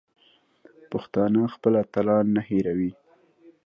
پښتانه خپل اتلان نه هېروي.